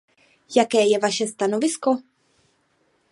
Jaké je vaše stanovisko?